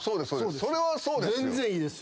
それはそうですよ。